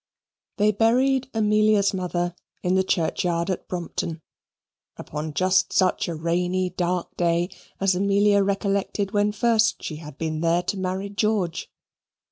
They buried Amelia's mother in the churchyard at Brompton, upon just such a rainy, dark day as Amelia recollected when first she had been there to marry George.